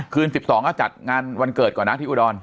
คืน๑๒ก็จัดงานวันเกิดก่อนนะที่อุดร